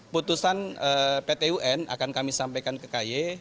putusan pt un akan kami sampaikan ke ky